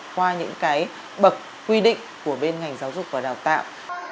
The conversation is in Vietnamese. qua những cái bậc quy định của bên ngành giáo dục và đào tạo